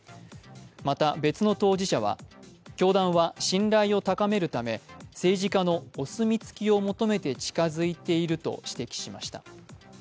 また別の当事者は、教団は信頼を高めるため政治家のお墨付きを求めて近づいていると指摘しました。